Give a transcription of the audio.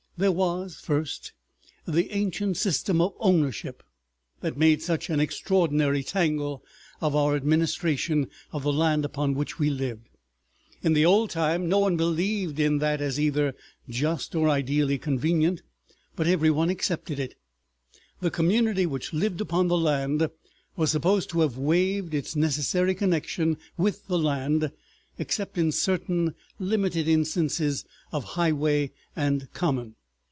There was, first, the ancient system of "ownership" that made such an extraordinary tangle of our administration of the land upon which we lived. In the old time no one believed in that as either just or ideally convenient, but every one accepted it. The community which lived upon the land was supposed to have waived its necessary connection with the land, except in certain limited instances of highway and common.